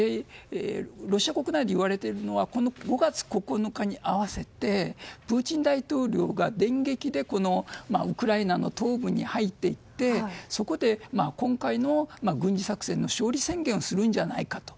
ロシア国内でいわれているのはこの５月９日に合わせてプーチン大統領が電撃でウクライナの東部に入っていってそこで今回の軍事作戦の勝利宣言をするのではないかと。